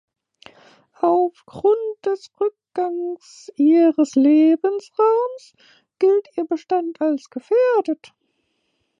Aufgrund des Rückgangs ihres Lebensraums gilt ihr Bestand als gefährdet.